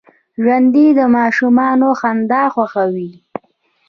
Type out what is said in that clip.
ژوندي د ماشومانو خندا خوښوي